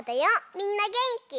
みんなげんき？